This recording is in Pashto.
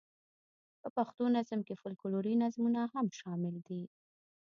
په پښتو نظم کې فوکلوري نظمونه هم شامل دي.